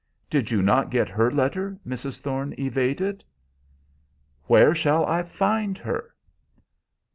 "Did you not get her letter?" Mrs. Thorne evaded. "Where shall I find her?"